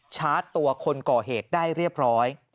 ชาร์จตัวคนก่อเหตุได้เรียบร้อย